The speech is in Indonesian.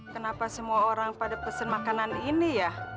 kenapa semua orang pada pesen makanan ini ya